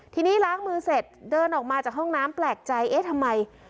ทีนี้ล้างมือเสร็จเดินออกมาจากห้องน้ำแปลกใจเอ๊ะทำไม